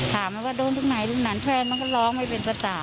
ถามว่าโดนตรงไหนตรงนั้นแฟนมันก็ร้องไม่เป็นภาษา